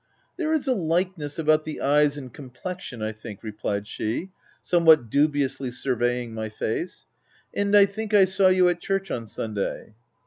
" There is a likeness about the eyes and com plexion I think," replied she, somewhat dubi ously surveying my face ;—" and I think I saw you at church on Sunday."